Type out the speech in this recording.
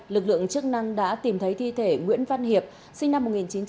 lực lượng chức năng đã tìm thấy thi thể nguyễn văn hiệp sinh năm một nghìn chín trăm tám mươi